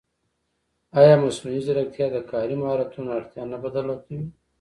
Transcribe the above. ایا مصنوعي ځیرکتیا د کاري مهارتونو اړتیا نه بدله کوي؟